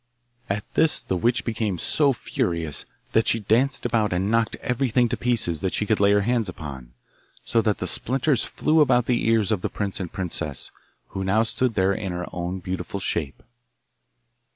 At this the witch became so furious that she danced about and knocked everything to pieces that she could lay her hands upon, so that the splinters flew about the ears of the prince and princess, who now stood there in her own beautiful shape.